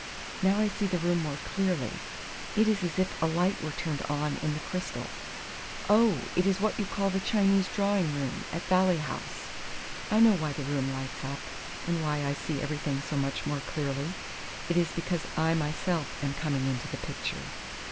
Now I see the room more clearly. It is as if a light were turned on in the crystal. Oh, it is what you call the Chinese drawing room, at Valley House. I know why the room lights up, and why I see everything so much more clearly. It is because I myself am coming into the picture.